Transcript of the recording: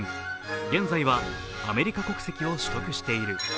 現在はアメリカ国籍を取得している。